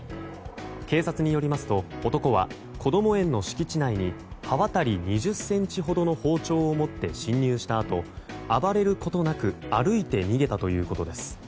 警察によりますと男は、こども園の敷地内に刃渡り２０ｃｍほどの包丁を持って侵入したあと暴れることなく歩いて逃げたということです。